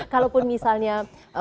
kalaupun misalnya mengatakan